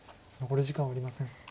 残り時間はありません。